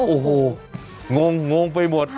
โอ้โหงงไปหมด